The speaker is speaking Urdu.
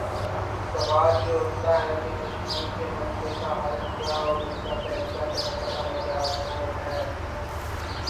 سوال یہ اٹھتا کہ کشمیر کے مسئلے کا حل کیا اور اس کا فیصلہ کرنے کا مجاز کون ہے؟